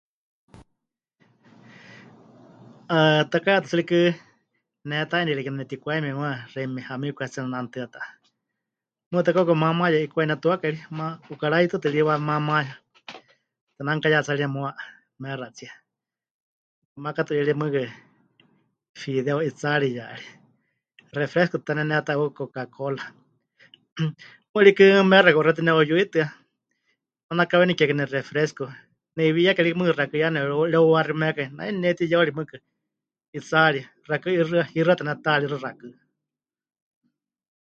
'Ah, takai'aatu tsɨ rikɨ, neta'inieríeka kename netikwaimie muuwa xeíme nehamiku hetsɨa nenanutɨa ta, mɨɨkɨ ta kauka maamaya 'ikwai netuakai, ma... 'ukarái tɨtɨ ri maamáya, tenanukayatsarie muuwa meexatsie, nenakatu'iyarie mɨɨkɨ fideo 'itsaariyari, refresco ta neneta'iwau Coca Cola, ejem, mɨɨkɨ rikɨ meexa kauka xewítɨ neuyuitɨa, nanakawenikekai nexefresco, ne'iwiyake rikɨ mɨɨkɨ xakɨ́ ya nepɨreu.. reuwaximekai, nai netiyeuri mɨɨkɨ 'itsaari, xakɨ́ hixɨa... hixɨ́ata netaaríxɨ xakɨ́.